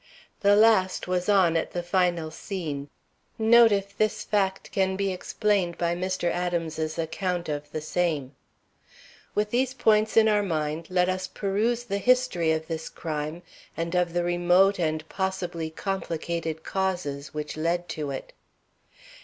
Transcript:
The last was on at the final scene. Note if this fact can be explained by Mr. Adams's account of the same. With these points in our mind, let us peruse the history of this crime and of the remote and possibly complicated causes which led to it.